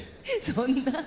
そんな。